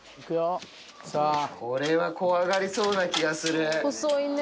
これは怖がりそうな気がする。